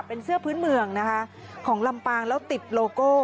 เป็นเสื้อพื้นเมืองนะคะของลำปางแล้วติดโลโก้